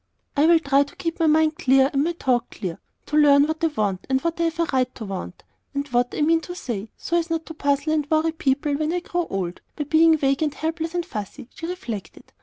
"I will try to keep my mind clear and my talk clear; to learn what I want and what I have a right to want and what I mean to say, so as not to puzzle and worry people when I grow old, by being vague and helpless and fussy," she reflected.